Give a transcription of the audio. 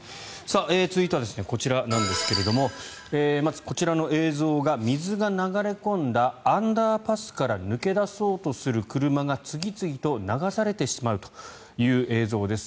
続いては、こちらなんですがまず、こちらの映像が水が流れ込んだアンダーパスから抜け出そうとする車が次々と流されてしまうという映像です。